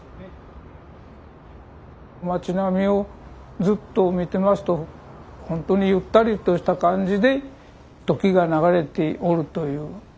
町並みをずっと見てますとほんとにゆったりとした感じで時が流れておるという。